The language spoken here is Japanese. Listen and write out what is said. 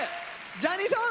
「ジャニソン！